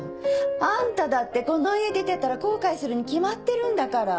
あんただってこの家出てったら後悔するに決まってるんだから。